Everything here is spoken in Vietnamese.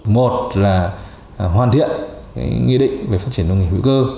một là hoàn thiện nghị định về phát triển nông nghiệp hữu cơ